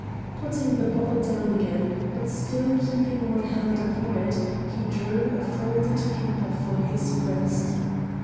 Putting the bottle down again, but still keeping one hand upon it, he drew a folded paper from his breast.